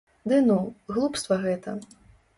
Ды ну, глупства гэта.